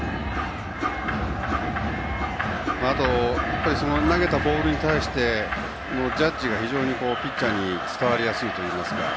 あと、投げたボールに対してのジャッジが非常にピッチャーに伝わりやすいといいますか。